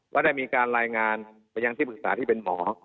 ได้มีการรายงานไปยังที่ปรึกษาที่เป็นหมอ